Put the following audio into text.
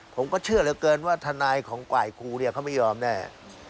ผมก็เชื่อเหลือเกินว่าทนายของฝ่ายครูเนี่ยเขาไม่ยอมแน่